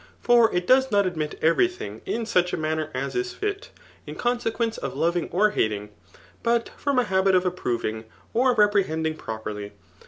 For it does not admit eveity tlm^ in such a: mannflT as. is fit, in coasdqumce of loving or hadng, but koat a habit of zpftoymg or reprehendmg properly.